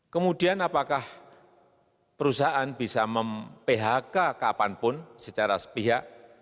kemudian apakah perusahaan bisa mem phk kapanpun secara sepihak